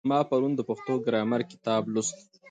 ما پرون د پښتو ګرامر کتاب لوست.